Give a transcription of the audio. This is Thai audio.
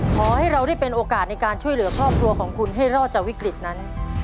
ขอให้เราได้เป็นโอกาสในการช่วยเหลือครอบครัวของคุณให้รอดจากวิกฤตนั้น